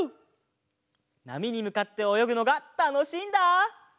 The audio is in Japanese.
なみにむかっておよぐのがたのしいんだ！